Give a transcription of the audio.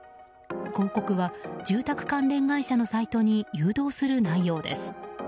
広告は住宅広告のサイトに誘導する内容です。